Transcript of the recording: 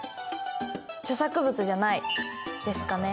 著作物じゃないですかね。